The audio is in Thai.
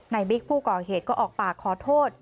บิ๊กผู้ก่อเหตุก็ออกปากขอโทษ